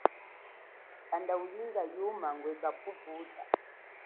Kanda ulinga yuma ngwe kaphuphuta.